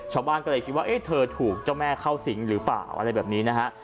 ชาวบ้านก็เลยคิดว่าเอ๊ะเธอถูกเจ้าแม่เข้าสิงหรือเปล่าอะไรแบบนี้นะฮะ